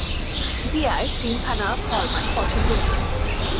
জিয়ার তিনখানা ফরমান পছন্দনীয়।